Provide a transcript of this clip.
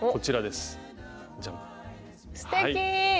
すてき！